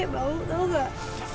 bau tahu gak